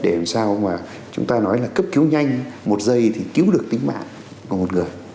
để làm sao mà chúng ta nói là cấp cứu nhanh một giây thì cứu được tính mạng của một người